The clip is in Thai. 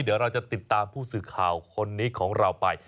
เดี๋ยวเราจะติดตามผู้สื่อข่าวคนนี้ของเราไป